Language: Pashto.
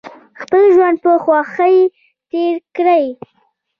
خپل ژوند په خوښۍ تیر کړئ